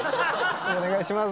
お願いします。